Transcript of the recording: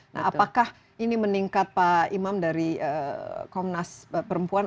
nah apakah ini meningkat pak imam dari komnas perempuan